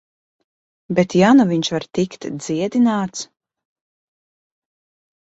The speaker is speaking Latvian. Bet ja nu viņš var tikt dziedināts...